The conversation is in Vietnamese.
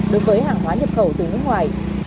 đối với hàng hóa nhập khẩu từ nước ngoài